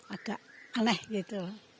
agak aneh gitu